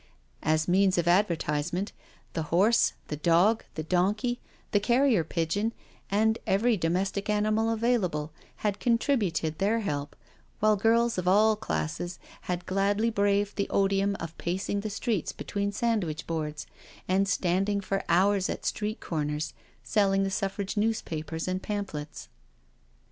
As means of advertisement, the horse, the dog, the donkey, the carrier pigeon, and every domestic animal available, had contributed their help, while girls of all classes had gladly braved the odium of pacing the streets between sandwich boards, and standing for hours at street corners, selling the Suffrage newspapers and pamphlets.